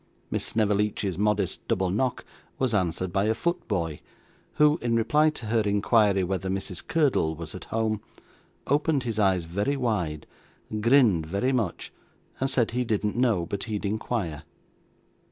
Miss Snevellicci's modest double knock was answered by a foot boy, who, in reply to her inquiry whether Mrs. Curdle was at home, opened his eyes very wide, grinned very much, and said he didn't know, but he'd inquire.